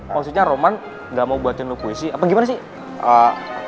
maksudnya roman gak mau buatin lupuisi apa gimana sih